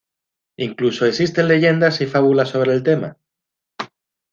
Incluso existen leyendas y fábulas sobre el tema.